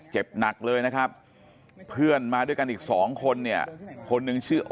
เจ็บหนักเลยนะครับเพื่อนมาด้วยกันอีกสองคนเนี่ยคนหนึ่งชื่อ